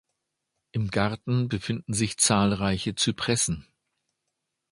Im Garten befinden sich zahlreiche Zypressen.